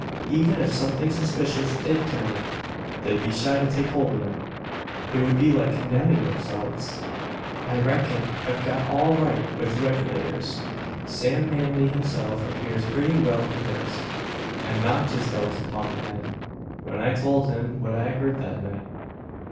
Even if something suspicious did turn up! they'd be shy to take hold of it. It would be like condemning themselves! "I reckon, I've got all right with the Regulators. Sam Manley himself appears pretty well convinced. I knocked his doubts upon the head, when I told him what I'd heard that night.